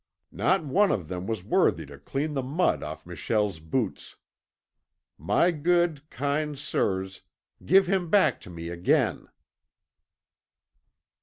Not one of them was worthy to clean the mud off Michel's boots. My good, kind sirs, give him back to me again."